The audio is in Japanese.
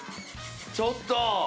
ちょっと。